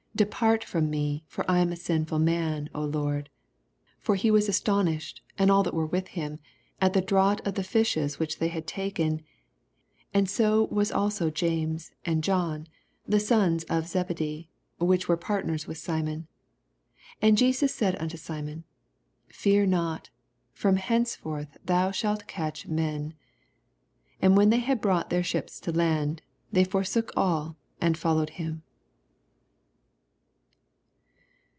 Depart Lord. from me ; for I am a sinful man, 9 For he was astonished, and all that were with him. at the draught of the fishes which toey had taken : 10 And so vxu also James, and John, the sons of Zebedee, which were part ners with Simon. And Jesus sidd unto Simon. Fear not; from henceforth thou soalt catch men. 11 And when they had brought their ships to land, they forsook all, and followed him.